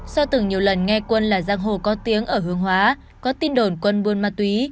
do từng nhiều lần nghe quân là giang hồ có tiếng ở hương hóa có tin đồn quân buôn ma túy